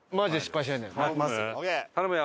頼むよ。